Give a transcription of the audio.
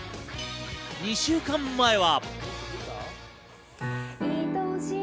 ２週間前は。